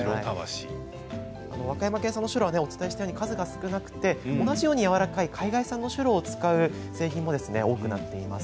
和歌山県産のシュロは少ないので同じようにやわらかい海外産のシュロを使う製品も多くなっています。